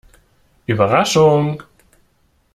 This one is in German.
Überraschung!